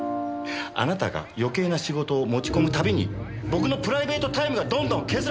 あなたが余計な仕事を持ち込む度に僕のプライベートタイムがどんどん削られてるの。